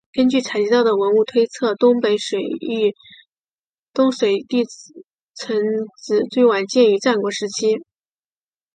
根据采集到的文物推测东水地城址最晚建于战国时期。